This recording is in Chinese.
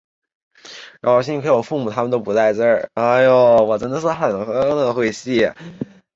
女子严淑英则嫁给著名实业家吴调卿之子吴熙元。